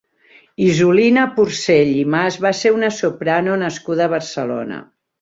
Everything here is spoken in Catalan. Isolina Porcell i Mas va ser una soprano nascuda a Barcelona.